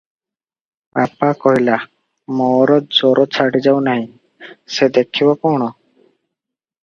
ବାପା କହିଲା, "ମୋର ଜର ଛାଡ଼ିଯାଉ ନାହିଁ, ସେ ଦେଖିବ କଣ?